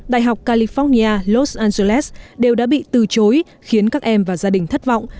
đại học california los angeles đều đã bị từ chối khiến các em và gia đình thất vọng